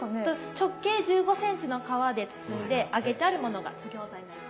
直径１５ｃｍの皮で包んで揚げてあるものが津ぎょうざになります。